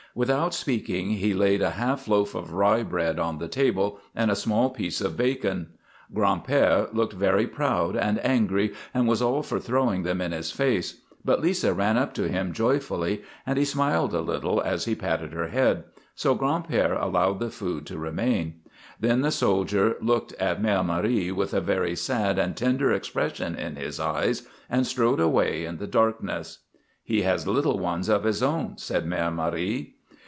Without speaking he laid a half loaf of rye bread on the table and a small piece of bacon. Gran'père looked very proud and angry and was all for throwing them in his face, but Lisa ran up to him joyfully, and he smiled a little as he patted her head, so Gran'père allowed the food to remain. Then the soldier looked at Mère Marie with a very sad and tender expression in his eyes and strode away in the darkness. "He has little ones of his own," said Mère Marie.